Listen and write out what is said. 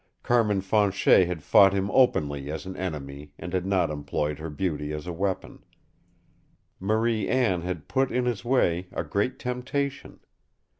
Carmin Fanchet had fought him openly as an enemy and had not employed her beauty as a weapon. Marie Anne had put in his way a great temptation.